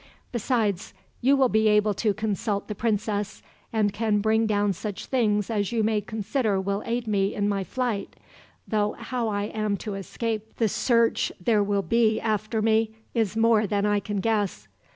Besides, you will be able to consult the princess, and can bring down such things as you may consider will aid me in my flight though how I am to escape the search there will be after me is more than I can guess.